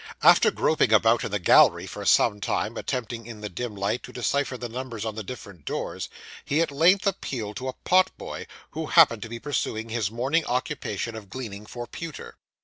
After groping about in the gallery for some time, attempting in the dim light to decipher the numbers on the different doors, he at length appealed to a pot boy, who happened to be pursuing his morning occupation of gleaning for pewter.